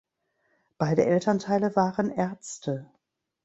Beide Elternteile waren Ärzte.